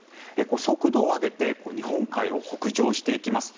速度を上げて日本海を北上していきます。